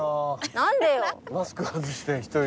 何でよ。